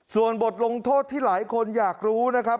ส่วนบทลงโทษที่หลายคนอยากรู้นะครับ